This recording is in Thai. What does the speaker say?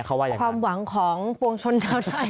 ความหวังของปวงชนเจ้าไทย